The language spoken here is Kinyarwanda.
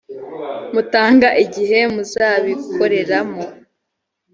mutanga igihe muzabikoreramo.